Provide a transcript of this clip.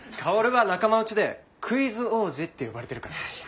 薫は仲間内でクイズ王子って呼ばれてるから。